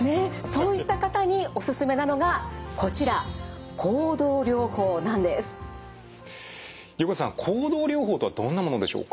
そういった方におすすめなのがこちら横手さん行動療法とはどんなものでしょうか？